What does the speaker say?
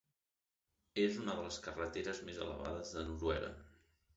És una de les carreteres més elevades de Noruega.